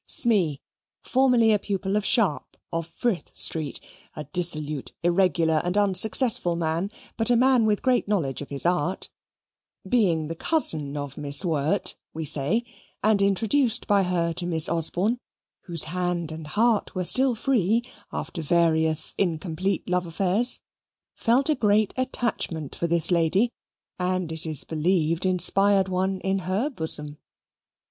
Smee (formerly a pupil of Sharpe of Frith Street, a dissolute, irregular, and unsuccessful man, but a man with great knowledge of his art) being the cousin of Miss Wirt, we say, and introduced by her to Miss Osborne, whose hand and heart were still free after various incomplete love affairs, felt a great attachment for this lady, and it is believed inspired one in her bosom.